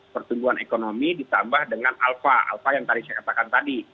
pertumbuhan ekonomi ditambah dengan alfa alfa yang tadi saya katakan tadi